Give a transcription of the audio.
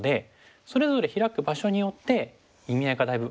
それぞれヒラく場所によって意味合いがだいぶ変わってくるんです。